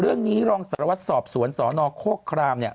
เรื่องนี้รองสารวัตรสอบสวนสนโครครามเนี่ย